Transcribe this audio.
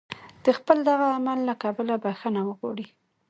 د خپل دغه عمل له کبله بخښنه وغواړي.